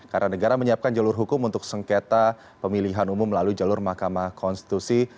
karena negara menyiapkan jalur hukum untuk sengketa pemilihan umum melalui jalur mahkamah konstitusi